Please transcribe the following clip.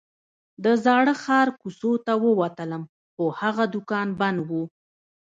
د زاړه ښار کوڅو ته ووتلم خو هغه دوکان بند و.